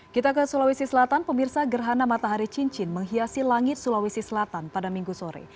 kita ke sulawesi selatan pemirsa gerhana matahari cincin menghiasi langit sulawesi selatan pada minggu sore